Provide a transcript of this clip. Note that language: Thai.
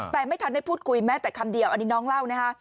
แต่ไม่ทันได้พูดคุยแม้แต่คำเดียวอันนี้น้องเล่านะคะ